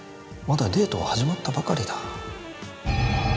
まだデートは始まったばかりだ。